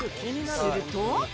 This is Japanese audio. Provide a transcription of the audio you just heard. すると。